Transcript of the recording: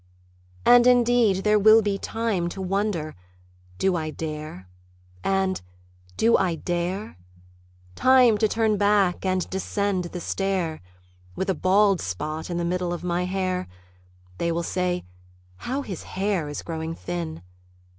And indeed there will be time To wonder, "Do I dare?" and, "Do I dare?" Time to turn back and descend the stair, With a bald spot in the middle of my hair (They will say: "How his hair is growing thin!")